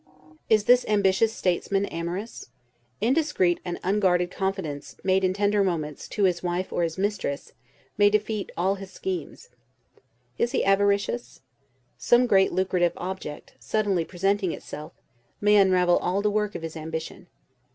Is this ambitious statesman amorous? Indiscreet and unguarded confidences, made in tender moments, to his wife or his mistress, may defeat all his schemes. Is he avaricious? Some great lucrative object, suddenly presenting itself, may unravel all the work of his ambition.